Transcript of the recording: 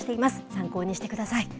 参考にしてください。